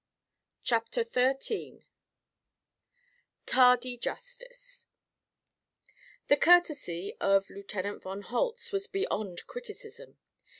CHAPTER XIII TARDY JUSTICE The courtesy of Lieutenant von Holtz was beyond criticism.